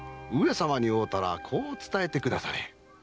様に会うたらこう伝えてくだされ。